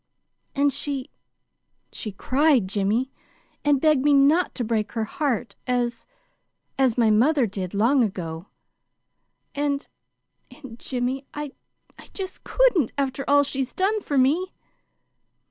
And she she cried, Jimmy, and begged me not to break her heart as as mother did long ago. And and Jimmy, I I just couldn't, after all she's done for me."